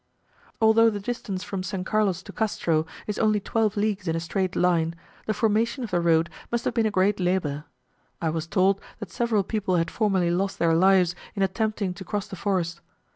Although the distance from S. Carlos to Castro is only twelve leagues in a straight line, the formation of the road must have been a great labour. I was told that several people had formerly lost their lives in attempting to cross the forest.